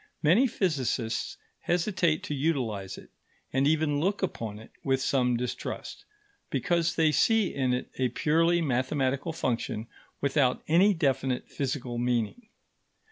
Many physicists hesitate to utilize it, and even look upon it with some distrust, because they see in it a purely mathematical function without any definite physical meaning.